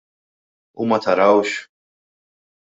U ma tarawx!